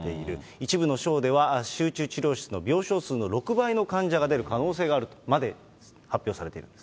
一部の省では、集中治療室の病床数の６倍の患者が出る可能性があるとまで発表されているんです。